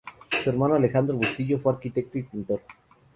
Su hermano Alejandro Bustillo fue arquitecto y pintor.